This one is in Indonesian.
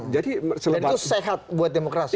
jadi itu sehat buat demokrasi